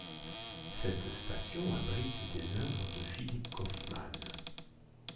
Cette station abrite des œuvres de Philippe Kauffmann.